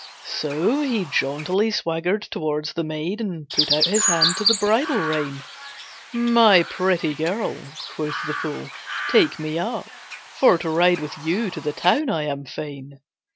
So he jauntily swaggered towards the maid And put out his hand to the bridle rein. "My pretty girl," quoth the fool, "take me up, For to ride with you to the town I am fain."